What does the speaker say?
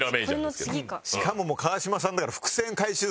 しかも川島さんだから。